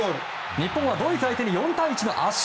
日本はドイツ相手に４対１の圧勝！